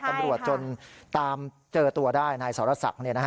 ตำรวจจนตามเจอตัวได้นายสรศักดิ์